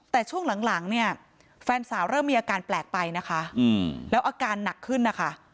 แต่ช่วงหลังเนี่ยแฟนสาวเริ่มมีอาการแปลกไปนะคะแล้วอาการหนักขึ้นนะคะ